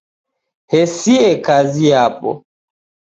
Hesie kazi yapo